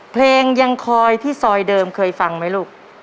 เพลงยังคอยที่ซอยเดิมเคยฟังไหมลูก